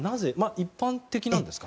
一般的なんですか？